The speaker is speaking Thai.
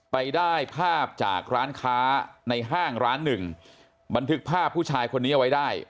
ไปได้ภาพจากร้านค้าในห้างร้านหนึ่งบันทึกภาพผู้ชายคนนี้เอาไว้ได้